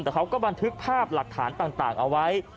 แต่เขาก็บันทึกภาพหลักฐานต่างเอาไว้